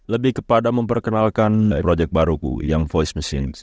lebih kepada memperkenalkan proyek baruku yang voice machines